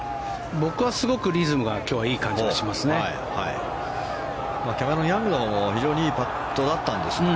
僕はすごくリズムは今日いい感じがしますね。